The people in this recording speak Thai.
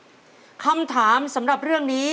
ขอเชยคุณพ่อสนอกขึ้นมาต่อชีวิตเป็นคนต่อชีวิต